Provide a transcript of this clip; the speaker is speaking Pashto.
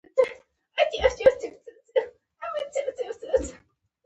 د پیتالوژي علم د نسجونه لولي.